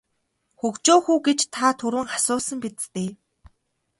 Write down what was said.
Хөгжөөх үү гэж та түрүүн асуусан биз дээ.